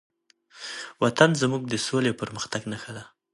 وطن زموږ د سولې او پرمختګ نښه ده.